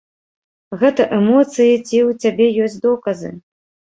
Гэта эмоцыі ці ў цябе ёсць доказы?